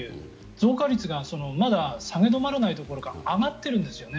増加率がまだ下げ止まらないどころか上がってるんですよね